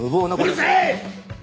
うるせえ！